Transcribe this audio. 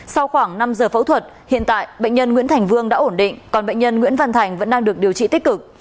sau khoảng năm giờ phẫu thuật hiện tại bệnh nhân nguyễn thành vương đã ổn định còn bệnh nhân nguyễn văn thành vẫn đang được điều trị tích cực